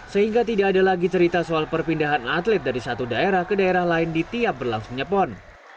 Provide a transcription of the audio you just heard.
sehingga tidak ada lagi cerita soal perpindahan atlet dari satu daerah ke daerah lain di tiap berlangsungnya pon